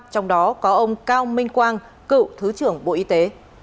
trong đó có ông cao minh quang cựu thứ trưởng bộ y tế